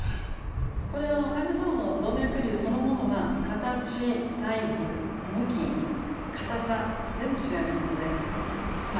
これは患者様の動脈瘤そのものが形サイズ向きかたさ全部違いますのでまあ